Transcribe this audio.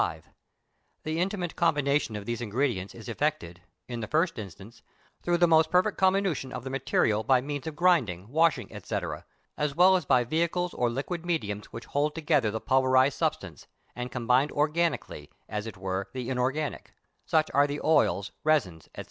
The intimate combination of these ingredients is effected, in the first instance, through the most perfect comminution of the material by means of grinding, washing, &c., as well as by vehicles or liquid mediums which hold together the pulverized substance, and combine organically, as it were, the unorganic; such are the oils, resins, &c.